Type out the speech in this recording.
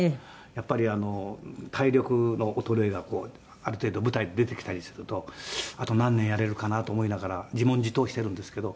やっぱり体力の衰えがある程度舞台で出てきたりすると“あと何年やれるかな？”と思いながら自問自答してるんですけど」